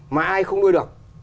mà ai không nuôi được